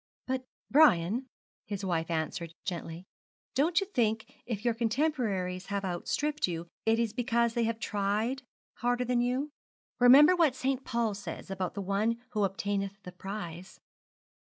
'But, Brian,' his wife answered gently, 'don't you think if your contemporaries have outstripped you, it is because they have tried harder than you? Remember what St. Paul says about the one who obtaineth the prize.'